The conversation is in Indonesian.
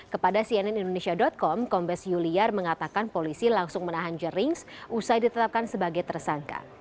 kepada cnn indonesia com kombes juliar mengatakan polisi langsung menahan jerings usai ditetapkan sebagai tersangka